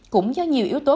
cũng do nhiều yếu tố